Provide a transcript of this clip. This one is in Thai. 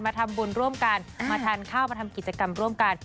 ทำบุญร่วมกันมาทานข้าวมาทำกิจกรรมร่วมกัน